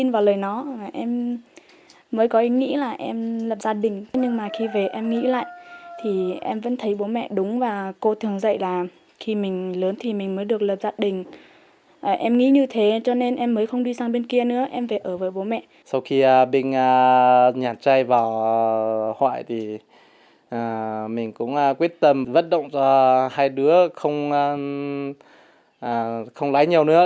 bên nhà trai vào hoại thì mình cũng quyết tâm vất động cho hai đứa không lái nhau nữa